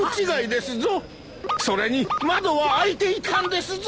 それに窓は開いていたんですぞ。